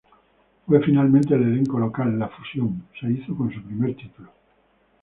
Fue finalmente el elenco local, "la fusión" se hizo con su primer título.